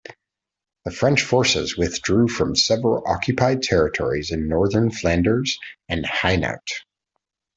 The French forces withdrew from several occupied territories in northern Flanders and Hainaut.